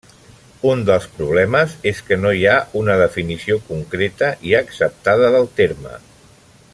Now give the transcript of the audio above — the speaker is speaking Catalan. Un dels problemes és que no hi ha una definició concreta i acceptada del terme.